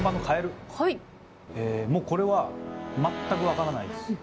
もうこれは全く分からないです。